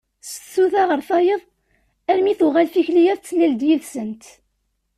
Seg tsuta ɣer tayeḍ armi tuɣal tikli-a tettlal-d yid-sent.